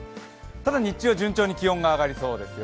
ただ日中は気温が上がりそうですよ。